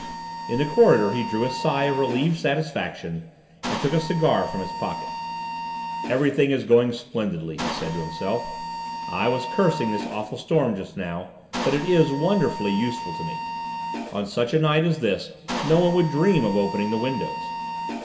In the corridor he drew a sigh of relieved satisfaction, and took a cigar from his pocket. "Everything is going splendidly," he said to himself. "I was cursing this awful storm just now, but it is wonderfully useful to me. On such a night as this no one would dream of opening the windows."